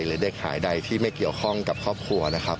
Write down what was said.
หรือเด็กหายใดที่ไม่เกี่ยวข้องกับครอบครัวนะครับ